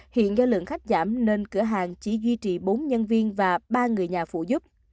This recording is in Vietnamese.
hiện do lượng khách giảm nên cửa hàng chỉ duy trì bốn nhân viên và ba người nhà phụ giúp